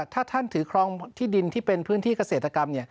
ถ้าท่านถือครองที่ดินที่เป็นพื้นที่เกษตรกรรม